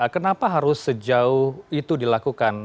kenapa harus sejauh itu dilakukan